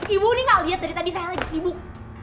ibu ini gak liat tadi tadi saya lagi sibuk